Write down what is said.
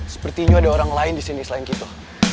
sepertinya ada orang lain di sini selain itu